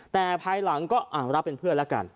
แต่ภายหลังก็รับเป็นเพื่อนแล้วกัน